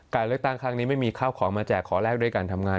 การเลือกตั้งครั้งนี้ไม่มีข้าวของมาแจกขอแลกด้วยการทำงาน